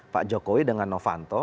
pak jokowi dengan novanto